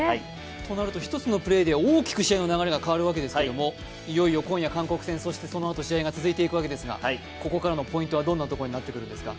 となると１つのプレーで大きく試合の流れが変わるわけですがいよいよ今夜韓国戦、そしてそのあと試合が続いていくことになるわけですが、ここからのポイントはどんなところになってくるんですか。